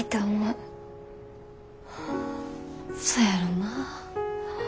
そやろなぁ。